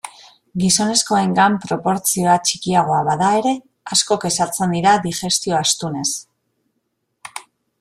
Gizonezkoengan proportzioa txikiagoa bada ere, asko kexatzen dira digestio astunez.